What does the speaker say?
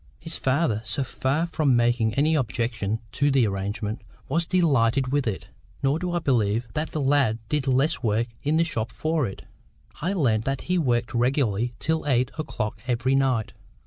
His father, so far from making any objection to the arrangement, was delighted with it. Nor do I believe that the lad did less work in the shop for it: I learned that he worked regularly till eight o'clock every night.